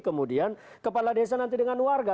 kemudian kepala desa nanti dengan warga